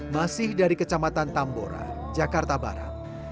masih dari kecamatan tambora jakarta barat